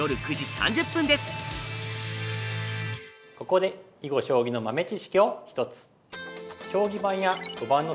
ここで囲碁将棋の豆知識を１つ。